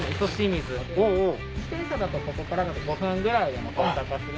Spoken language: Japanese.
自転車だとここからだと５分ぐらいで到着はするので。